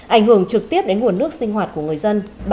ảnh hưởng trực tiếp đến nguồn nước sinh hoạt của người dân